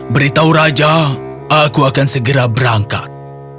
beritahu raja aku akan segera berangkat